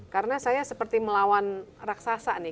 karena saya seperti melawan raksasa nih